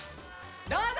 どうぞ！